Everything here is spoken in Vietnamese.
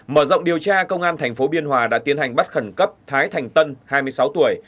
mở rộng điều tra công an tp biên hòa đã tiến hành bắt khẩn cấp thái thành tân hai mươi sáu tuổi